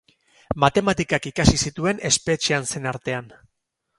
Matematikak ikasi zituen espetxean zen artean.